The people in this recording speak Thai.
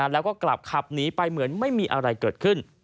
แล้วก็กลับขับหนีไปเหมือนไม่มีอะไรเกิดขึ้น